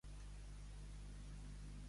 A sos peus.